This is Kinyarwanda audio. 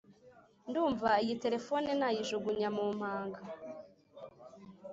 ndumva iyi telephone, nayijugunya mumanga